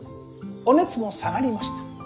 お熱も下がりました。